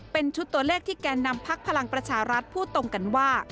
๑๕๐เป็นชุดตัวเลขที่แกนนำภักดิ์พลังปรัชเช้ารัฐพูดตรงกันว่า